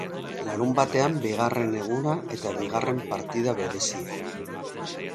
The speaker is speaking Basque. Larunbatean bigarren eguna eta bigarren partida berezia.